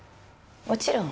もちろん。